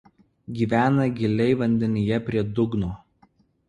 Gyvena giliai vandenyje prie dugno.